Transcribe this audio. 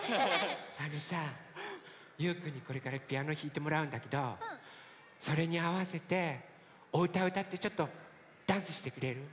あのさゆうくんにこれからピアノひいてもらうんだけどそれにあわせておうたうたってちょっとダンスしてくれる？